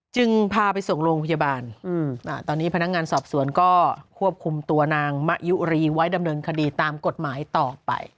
จึงพาไปส่งโรงพยาบาลตอนนี้พนักงานสอบสวนก็ควบคุมตัวนางมะยุรีไว้ดำเนินคดีตามกฎหมายต่อไป